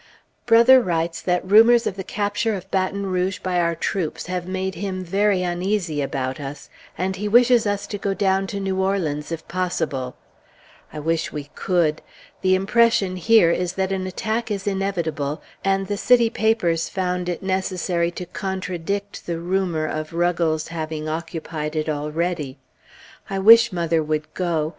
Brother writes that rumors of the capture of Baton Rouge by our troops have made him very uneasy about us; and he wishes us to go down to New Orleans if possible. I wish we could. The impression here, is that an attack is inevitable, and the city papers found it necessary to contradict the rumor of Ruggles having occupied it already. I wish mother would go.